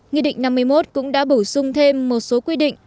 nghị định năm mươi một cũng đã bổ sung thêm một số quy định